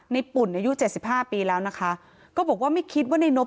ในปุ่นอายุ๗๕ปีแล้วนะคะก็บอกว่าไม่คิดว่าในนบ